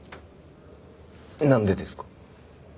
なんでですか？